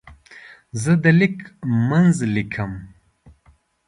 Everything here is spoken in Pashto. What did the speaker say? زه د لیک منځ لیکم.